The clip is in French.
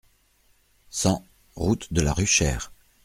cent route de la Ruchère